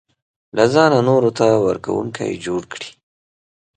له ځانه نورو ته ورکوونکی جوړ کړي.